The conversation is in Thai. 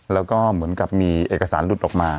แล้วก็เหมือนกับมีเอกสารหลุดออกมา